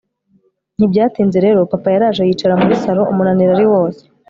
ntibyatinze rero papa yaraje yicara muri salon umunaniro ari wose